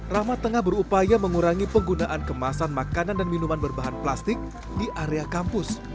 rahmat tengah berupaya mengurangi penggunaan kemasan makanan dan minuman berbahan plastik di area kampus